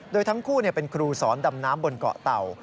โดยทั้งคู่เป็นครูสอนดำน้ำบนเกาะเต่า